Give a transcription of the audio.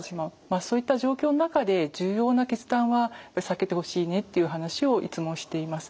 そういった状況の中で重要な決断は避けてほしいねっていう話をいつもしています。